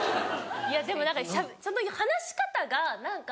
でも何かその話し方が何か。